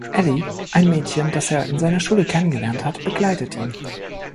Ellie, ein Mädchen, das er in seiner Schule kennengelernt hat, begleitet ihn.